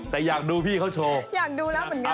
แต่อยากดูพี่เขาโชว์